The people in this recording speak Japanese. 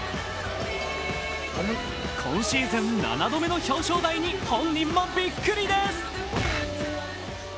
今シーズン７度目の表彰台に本人もビックリです。